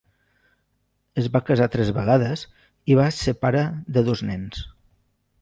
Es va casar tres vegades i vas ser pare de dos nens.